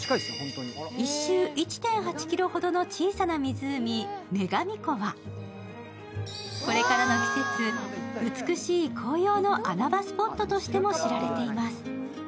１周１．８ｋｍほどの小さな湖、女神湖はこれからの季節、美しい紅葉の穴場スポットとしても知られています。